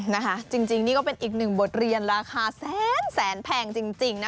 นะคะจริงนี่ก็เป็นอีกหนึ่งบทเรียนราคาแสนแสนแพงจริงนะ